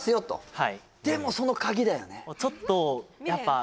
はいでもその鍵だよね